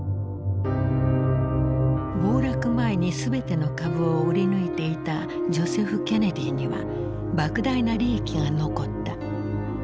暴落前に全ての株を売り抜いていたジョセフ・ケネディにはばく大な利益が残った。